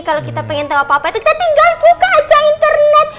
kalau kita pengen tahu apa apa itu kita tinggal buka aja internet